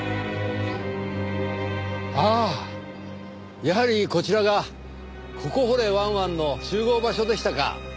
ああやはりこちらがここ掘れワンワンの集合場所でしたか。